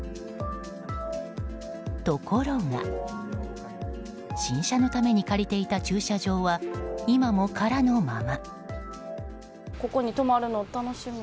ところが、新車のために借りていた駐車場は今も空のまま。